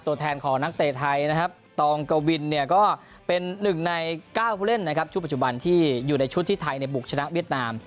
ตัวแทนของนักเตะไทยนะครับตองกวินเนี่ยก็เป็นหนึ่งใน๙ผู้เล่นนะครับชุดปัจจุบันที่อยู่ในชุดที่ไทยบุกชนะเวียดนาม